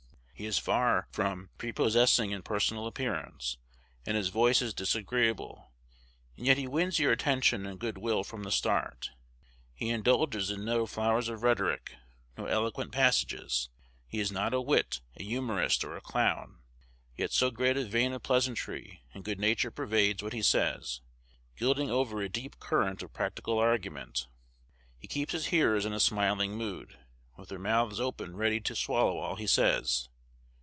He is far from prepossessing in personal appearance, and his voice is disagreeable; and yet he wins your attention and good will from the start.... He indulges in no flowers of rhetoric, no eloquent passages. He is not a wit, a humorist, or a clown; yet so great a vein of pleasantry and good nature pervades what he says, gilding over a deep current of practical argument, he keeps his hearers in a smiling mood, with their mouths open ready to swallow all he says.